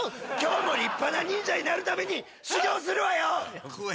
今日も立派な忍者になるために修行するわよ。